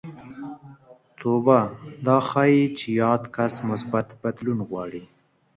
توبه دا ښيي چې یاد کس مثبت بدلون غواړي